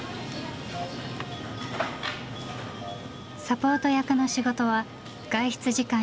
サポート役の仕事は外出時間やお金の管理。